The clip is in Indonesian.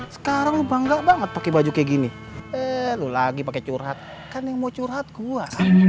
sekarang lo bangga banget pakai baju kayak gini eh lu lagi pakai curhat kan yang mau curhat gue